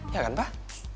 ya kan pak